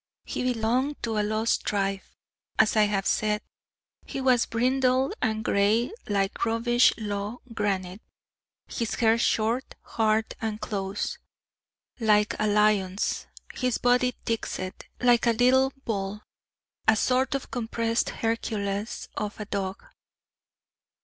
He belonged to a lost tribe. As I have said, he was brindled, and gray like Rubislaw granite; his hair short, hard, and close, like a lion's; his body thickset, like a little bull a sort of compressed Hercules of a dog.